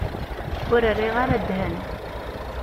Ur rriɣ ara ddhen.